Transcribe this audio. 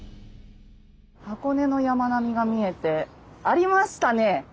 箱根の山並みが見えてありましたね